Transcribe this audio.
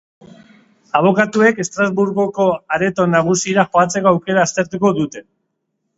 Abokatuek Estrasburgoko Areto Nagusira jotzeko aukera aztertuko dute.